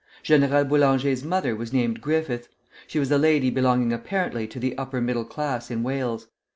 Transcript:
General Boulanger's mother was named Griffith; she was a lady belonging apparently to the upper middle class in Wales.